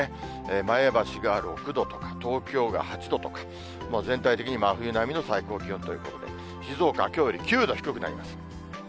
前橋が６度とか、東京が８度とか、全体的に真冬並みの最高気温ということで、静岡はきょうより９度低くなります。